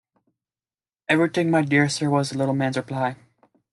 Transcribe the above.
‘Everything, my dear Sir,’ was the little man’s reply.